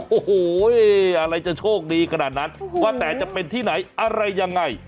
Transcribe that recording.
โอ้โหอะไรจะโชคดีขนาดนั้นว่าแต่จะเป็นที่ไหนอะไรยังไง